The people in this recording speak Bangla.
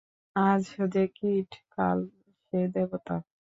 আজ যে কীট, কাল সে দেবতা।